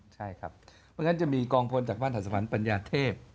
ใช่ครับเมื่อกั้นจะมีกองพลจากว่านถสัมพันธ์ปัญญาเทพ